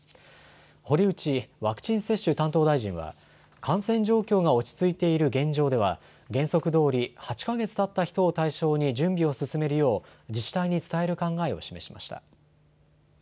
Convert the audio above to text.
堀内ワクチン接種担当大臣は、感染状況が落ち着いている現状では、原則どおり８か月たった人を対象に準備を進めるよう、自治体に伝える考えを示しました。